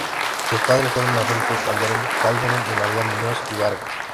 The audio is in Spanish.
Sus padres fueron Adolfo Calderón Calderón y María Muñoz y Vargas.